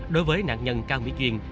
đối với nạn nhân cao mỹ duyên